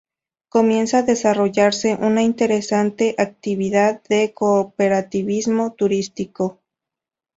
Comienza a desarrollarse una interesante actividad de cooperativismo turístico.